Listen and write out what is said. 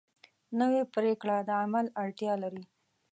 نوې پریکړه د عمل اړتیا لري